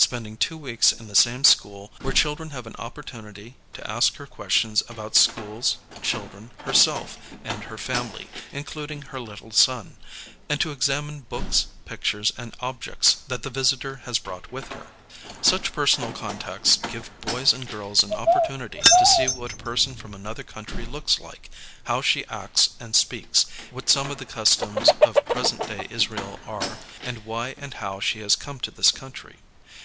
spending 2 weeks in the same school where children have an opportunity to ask her questions about schools, children, herself, and her familv. including her little son; and to examine books, pictures, and objects that the visitor has brought with her. HOW CHILDREN LEARN ABOUT HUMAN RIGHTS 3 Such personal contacts give boys and girls an ojiporlunity to see what a person from another country looks like, how she acts and speaks, what some of the customs of present day Israel are. and why and how she has come lo this country.